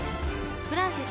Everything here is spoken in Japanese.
フランシス